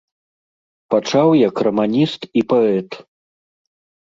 Пачаў як раманіст і паэт.